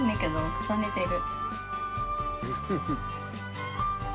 重ねてる。